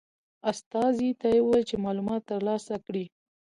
استازي ته وویل چې معلومات ترلاسه کړي.